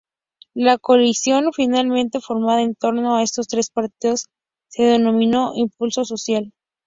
La coalición finalmente formada en torno a estos tres partidos se denominó Impulso Social.